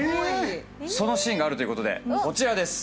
そのシーンがあるということでこちらです。